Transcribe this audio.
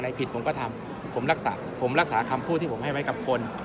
ผิดผมก็ทำผมรักษาผมรักษาคำพูดที่ผมให้ไว้กับคน